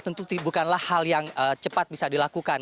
tentu bukanlah hal yang cepat bisa dilakukan